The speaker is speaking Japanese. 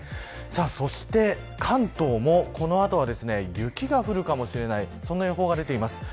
そして関東も、この後は雪が降るかもしれないそんな予報が出ています。